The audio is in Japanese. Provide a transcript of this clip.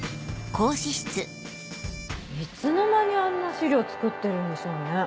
いつの間にあんな資料作ってるんでしょうね。